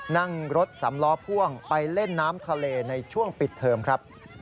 นั่งรถสำล้อพ่วงไปเล่นน้ำทะเลในช่วงปิดเทิมครับ